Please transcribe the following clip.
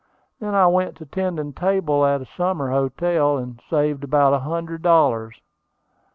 Then I went to tending table at a summer hotel, and saved about a hundred dollars.